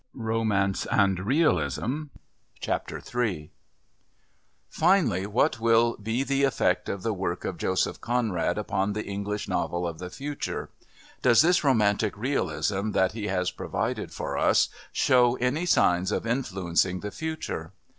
III Finally, what will be the effect of the work of Joseph Conrad upon the English novel of the future? Does this Romantic Realism that he has provided for us show any signs of influencing that future?